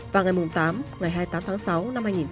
và ngày tám ngày hai mươi tám tháng sáu